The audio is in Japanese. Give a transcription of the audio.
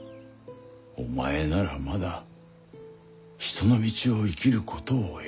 お前ならまだ人の道を生きることを選べる。